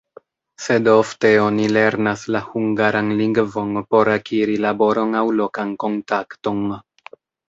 Sed ofte oni lernas la hungaran lingvon por akiri laboron aŭ lokan kontakton.